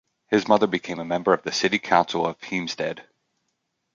His mother became a member of the city council of Heemstede.